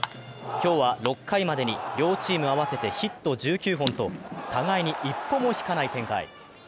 今日は６回までに両チーム合わせてヒット１９本と、互いに一歩も引かない展開。